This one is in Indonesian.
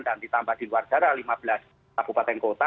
dan ditambah di luar daerah lima belas kabupaten kota